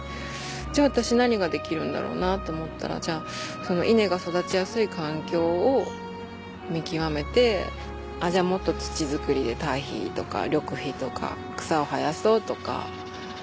じゃあ私何ができるんだろうなと思ったら稲が育ちやすい環境を見極めてもっと土作りで堆肥とか緑肥とか草を生やそうとか。